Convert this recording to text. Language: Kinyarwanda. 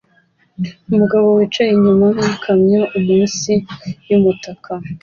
Umugabo wicaye inyuma yikamyo munsi yumutaka